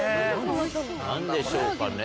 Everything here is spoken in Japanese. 何でしょうかね？